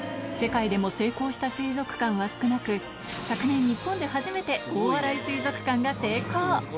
世界でも成功した水族館は少なく、昨年、日本で初めて大洗水族館が成功。